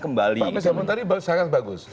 kembali pak amis yang tadi sangat bagus